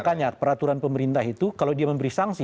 makanya peraturan pemerintah itu kalau dia memberi sanksi